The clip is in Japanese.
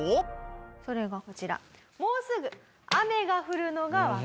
それがこちら。